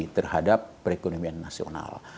terhadap perekonomian nasional